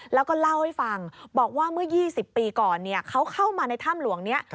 แล้วก็เล่าให้ฟังบอกว่าเมื่อ๒๐ปีก่อนเขาเข้ามาในถ้ำหลวงนี้